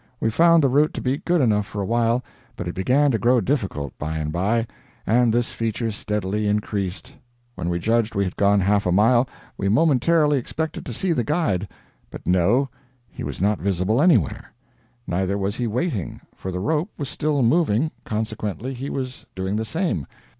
We found the route to be good enough for a while, but it began to grow difficult, by and by, and this feature steadily increased. When we judged we had gone half a mile, we momently expected to see the guide; but no, he was not visible anywhere; neither was he waiting, for the rope was still moving, consequently he was doing the same.